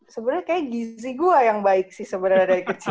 sebenarnya kayak gizi gue yang baik sih sebenarnya dari kecil